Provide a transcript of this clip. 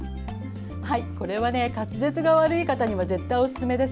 これは、滑舌が悪い方には絶対におすすめです。